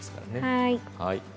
はい。